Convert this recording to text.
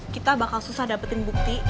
kita bakal susah dapetin bukti